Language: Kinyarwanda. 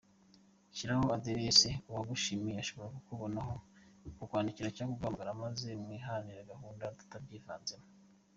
Shyiraho adresse uwagushimye ashobora kukubonaho, kukwandikira cyangwa kuguhamagara maze mwihanire gahunda tutabyivanzemo.